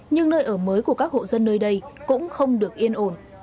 nhưng nơi ở mới của các hộ dân nơi đây cũng không được yên ổn